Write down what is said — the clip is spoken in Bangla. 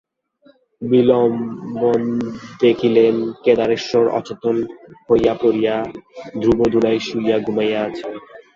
বিল্বন দেখিলেন, কেদারেশ্বর অচেতন হইয়া পড়িয়া, ধ্রুব ধুলায় শুইয়া ঘুমাইয়া আছে।